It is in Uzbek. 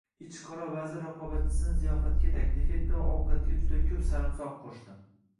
Ichiqora vazir raqobatchisini ziyofatga taklif etdi va ovqatga juda koʻp sarimsoq qoʻshdi